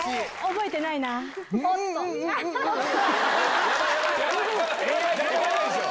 覚えてないでしょ。